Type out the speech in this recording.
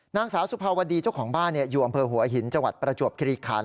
นางสาวสุภาวดีเจ้าของบ้านอยู่อำเภอหัวหินจังหวัดประจวบคิริคัน